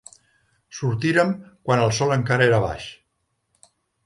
Sortírem quan el sol encara era baix.